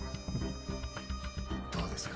どうですか？